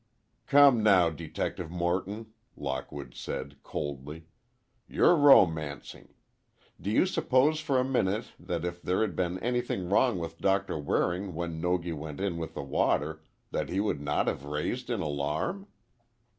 "Come now, Detective Morton," Lockwood said, coldly, "you're romancing. Do you suppose for a minute, that if there had been anything wrong with Doctor Waring when Nogi went in with the water, that he would not have raised an alarm?"